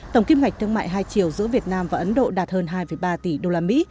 tổng kim ngạch thương mại hai triệu giữa việt nam và ấn độ đạt hơn hai ba tỷ usd